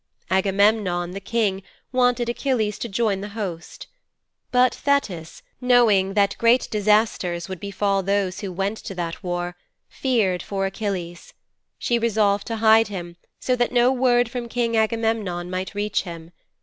Agamemnon, the king, wanted Achilles to join the host. But Thetis, knowing that great disasters would befall those who went to that war, feared for Achilles. She resolved to hide him so that no word from King Agamemnon might reach him.